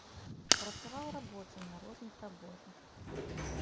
Працаваў рабочым на розных работах.